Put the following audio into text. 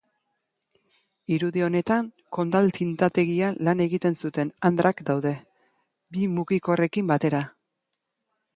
Irudi honetan, Condal tindategian lan egiten zuten andrak daude, bi mugikorrekin batera.